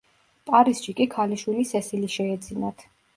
პარიზში კი ქალიშვილი სესილი შეეძინათ.